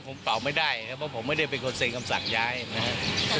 ผมตอบไม่ได้นะครับว่าผมไม่ได้เป็นคนเสียงคำสั่งย้ายนะฮะ